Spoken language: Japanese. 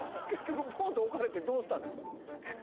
結局ポンって置かれてどうしたんですか？